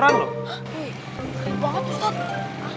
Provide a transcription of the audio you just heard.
iya sedih banget ustadz